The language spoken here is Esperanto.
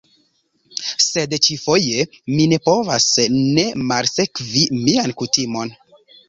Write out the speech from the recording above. Sed ĉi-foje mi ne povas ne malsekvi mian kutimon.